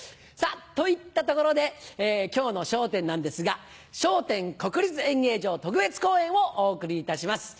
といったところで今日の『笑点』なんですが『笑点』×国立演芸場特別公演をお送りいたします。